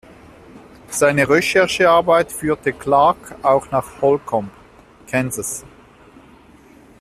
Seine Recherchearbeit führte Clarke auch nach Holcomb, Kansas.